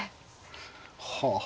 はあ。